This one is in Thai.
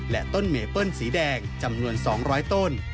และต้นเมเปิ้ลสีแดงจำนวน๒๐๐ต้น